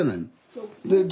そう。